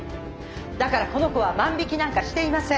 だからこの子は万引きなんかしていません。